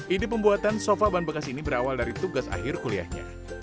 ide pembuatan sofa ban bekas ini berawal dari tugas akhir kuliahnya